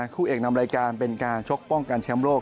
คู่เอกนำรายการเป็นการชกป้องกันแชมป์โลก